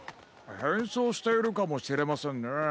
へんそうしているかもしれませんね。